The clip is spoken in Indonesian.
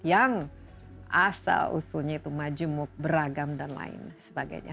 yang asal usulnya itu majemuk beragam dan lain sebagainya